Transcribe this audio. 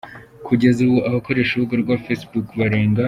Kugeza ubu, abakoresha urubuga rwa facebook barenga.